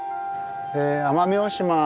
え奄美大島